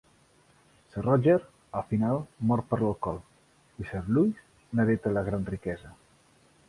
Sir Roger al final mort per l'alcohol i Sir Louis n'hereta la gran riquesa.